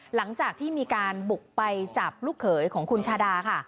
หลังจากที่มีการบุกไปจับลูกเขยของคุณชาดาค่ะ